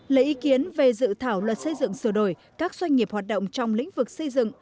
lấy ý kiến về dự thảo luật xây dựng sửa đổi các doanh nghiệp hoạt động trong lĩnh vực xây dựng